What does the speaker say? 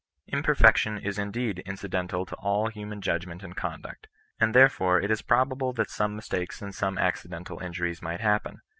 Imperfection is indeed incidental to all human judgment and conduct; and therefore it is pro bable that some mistakes and some accidental injuries might happen.